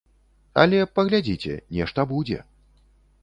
Але, паглядзіце, нешта будзе.